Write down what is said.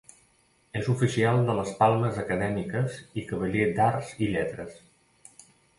És oficial de les Palmes Acadèmiques i cavaller d'Arts i Lletres.